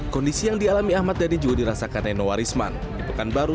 kondisi yang dialami ahmad dhani juga dirasakan nenowarisman di pekanbaru